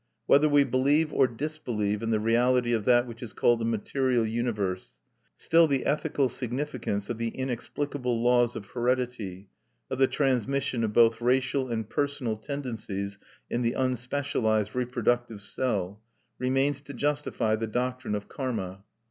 Whether we believe or disbelieve in the reality of that which is called the material universe, still the ethical significance of the inexplicable laws of heredity of the transmission of both racial and personal tendencies in the unspecialized reproductive cell remains to justify the doctrine of karma.